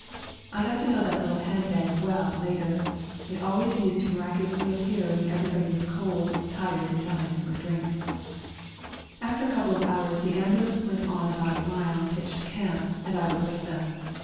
I got to know that little hand A SERBIAN AMBULANCE 39 bag well later — it used always to miracu lously appear when everybody was cold^ tired and dying for a drink. After a couple of hours the ambulance went on about a mile and pitched camp, and I went with them.